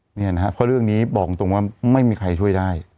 เพราะเรื่องนี้บอกตรงว่าไม่มีใครช่วยได้